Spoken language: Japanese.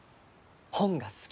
本が好き。